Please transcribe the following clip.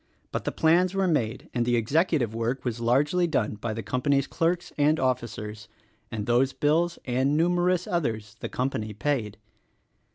But the plans were made, and the executive work was largely THE RECORDING ANGEL 91 done, by the company's clerks and officers — and those bills and numerous others the company paid.